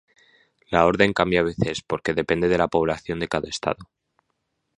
La orden cambia a veces, porque depende de la población de cada estado.